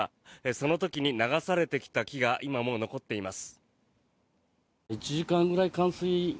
その時に流されてきた木が今も残っています。